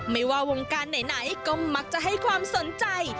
ไม่ว่าวงการไหนก็มักจะให้ความสนใจ